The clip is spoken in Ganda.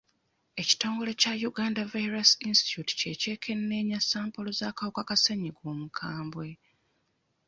Ekitongole Kya Uganda Virus Institue kye kyekenneenya sampolo z'akawuka ka ssenyiga omukambwe.